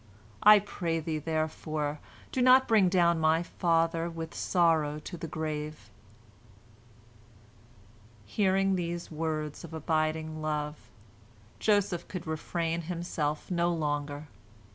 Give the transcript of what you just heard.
I pray thee, therefore, do not bring down my father with sorrow to the grave." Hearing these words of abiding love, Joseph could refrain himself no longer.